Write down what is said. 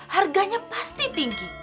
harganya pasti tinggi